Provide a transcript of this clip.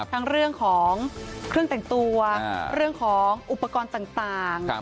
เรื่องของเครื่องแต่งตัวเรื่องของอุปกรณ์ต่าง